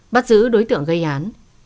bắt giữ đối tượng gây án